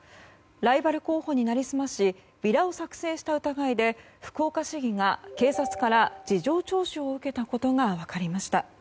ライバル候補に成り済ましビラを作成した疑いで福岡市議が警察から事情聴取を受けたことが分かりました。